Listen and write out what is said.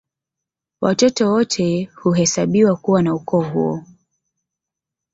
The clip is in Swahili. Watoto wote huhesabiwa kuwa wa ukoo huo